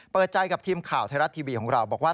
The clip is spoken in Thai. เปิดใจกับทีมข่าวไทยรัฐทีวีของเราบอกว่า